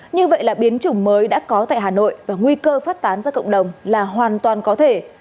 như vậy là biến chủng mới đã có tại hà nội và nguy cơ phát tán ra cộng đồng là hoàn toàn có thể